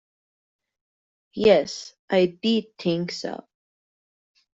Yes, I did think so.